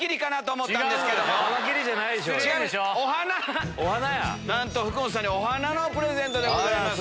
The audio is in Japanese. なんと福本さんにお花のプレゼントでございます。